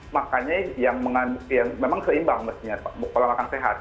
makanya memang seimbang kalau makan sehat